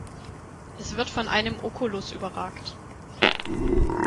Es wird von einem Oculus überragt.